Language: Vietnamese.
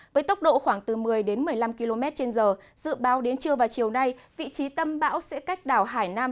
với tốc độ khoảng từ một mươi đến một mươi năm km trên giờ dự báo đến trưa và chiều nay vị trí tâm bão sẽ cách đảo hải nam